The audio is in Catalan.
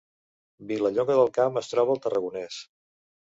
Vilallonga del Camp es troba al Tarragonès